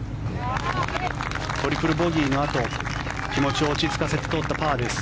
トリプルボギーのあと気持ちを落ち着かせて取ったパーです。